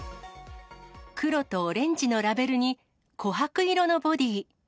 黒とオレンジのラベルにこはく色のボディ。